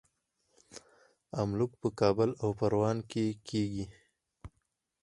املوک په کابل او پروان کې کیږي.